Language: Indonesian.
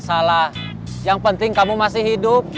salah yang penting kamu masih hidup